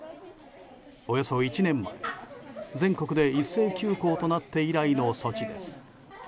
およそ１年前全国で一斉休校となって以来の措置です。